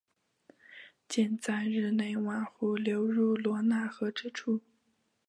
建在日内瓦湖流入罗讷河之处。